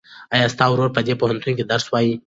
ایا ستا ورور په دې پوهنتون کې درس وایي؟